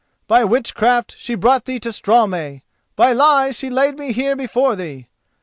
By witchcraft she brought thee to Straumey, by lies she laid me here before thee.